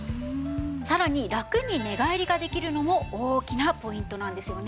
さらに楽に寝返りができるのも大きなポイントなんですよね。